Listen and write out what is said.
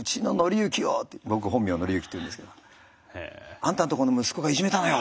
「あんたんとこの息子がいじめたのよ！」